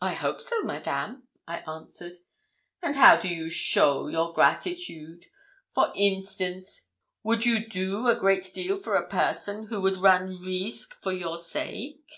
'I hope so, Madame,' I answered. 'And how do you show your gratitude? For instance, would a you do great deal for a person who would run risque for your sake?'